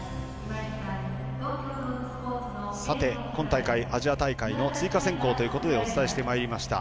今大会、アジア大会の追加選考ということでお伝えしてまいりました。